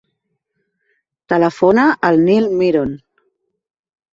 Telefona al Nil Miron.